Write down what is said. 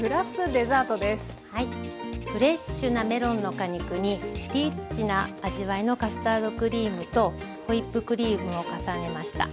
はいフレッシュなメロンの果肉にリッチな味わいのカスタードクリームとホイップクリームを重ねました。